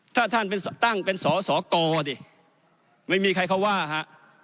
ถ้าท่านไปตั้งเป็นสสกดิไม่มีใครเขาว่าฮะ